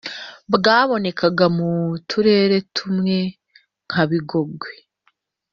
bwabonekaga mu turere tumwe nka bigogwe